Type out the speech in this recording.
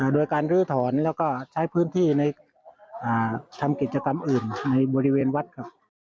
โดยการลื้อถอนแล้วก็ใช้พื้นที่ในทำกิจกรรมอื่นในบริเวณวัดครับ